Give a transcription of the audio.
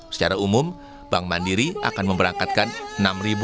secara umum bank mandiri akan memberangkatkan